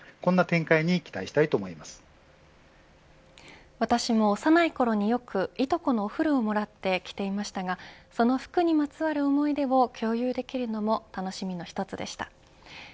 循環の輪を広げるこんな展開に私も幼いころによく、いとこのお古をもらって着ていましたがその服にまつわる思い出を共有できるのも楽しみの一つでした。